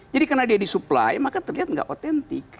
jadi karena dia disupply maka terlihat gak authentic